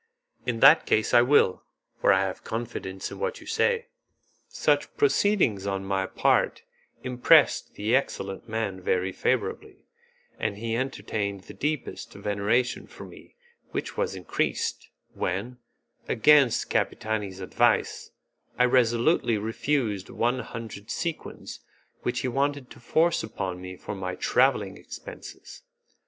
"In that case I will, for I have confidence in what you say." Such proceedings on my part impressed the excellent man very favourably, and he entertained the deepest veneration for me, which was increased, when, against Capitani's advice, I resolutely refused one hundred sequins which he wanted to force upon me for my travelling expenses.